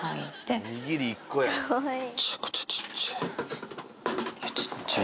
めちゃくちゃちっちゃい。